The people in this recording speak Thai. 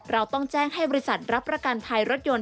เราต้องแจ้งให้บริษัทรับประกันภัยรถยนต์